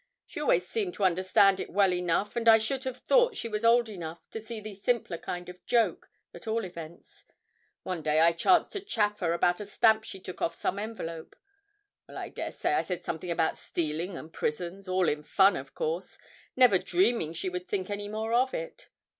She always seemed to understand it well enough, and I should have thought she was old enough to see the simpler kind of joke, at all events. One day I chanced to chaff her about a stamp she took off some envelope. Well, I daresay I said something about stealing and prisons, all in fun, of course, never dreaming she would think any more about it.